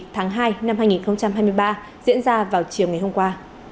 tháng hai năm hai nghìn hai mươi ba diễn ra vào chiều ngày hôm qua